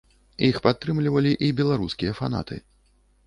Іх падтрымлівалі і беларускія фанаты.